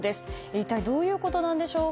一体どういうことなんでしょう。